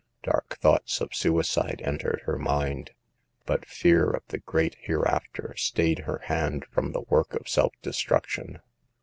Dark thoughts of suicide entered her mind, but fear of the great hereafter stayed her hand from the work of self destruction.